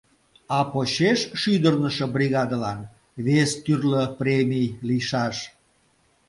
А почеш шӱдырнышӧ бригадылан вес тӱрлӧ «премий» лийшаш...